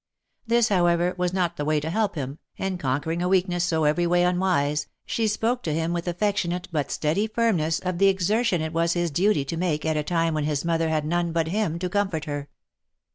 This, however, was not the way to help him, and conquer ing a weakness so every way unwise, she spoke to him with affectionate but steady firmness of the exertion it was his duty to make at a time when his mother had none but him to comfort her.